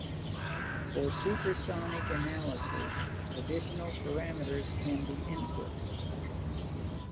For supersonic analysis, additional parameters can be input.